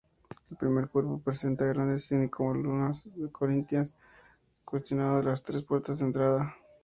El primer cuerpo presenta grandes semicolumnas corintias custodiando las tres puertas de entrada.